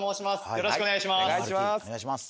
よろしくお願いします